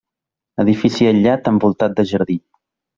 Edifici aïllat envoltat de jardí.